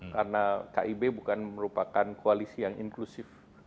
karena kib bukan merupakan koalisi yang inklusif